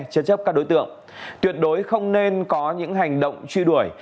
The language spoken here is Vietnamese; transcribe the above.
chấn chấp các đối tượng tuyệt đối không nên có những hành động truy đuổi